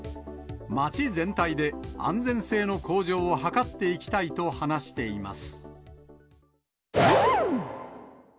街全体で安全性の向上を図っていきたいと話しています。